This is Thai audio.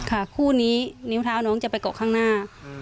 คู่นี้นิ้วเท้าน้องจะไปเกาะข้างหน้า